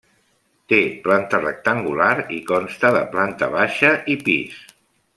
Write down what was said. Té planta rectangular i consta de planta baixa i pis.